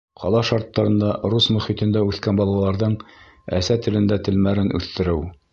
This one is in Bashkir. Ҡала шарттарында рус мөхитендә үҫкән балаларҙың әсә телендә телмәрен үҫтереү.